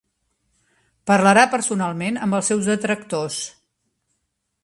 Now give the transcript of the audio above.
Parlarà personalment amb els seus detractors.